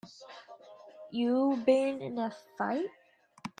You been in a fight?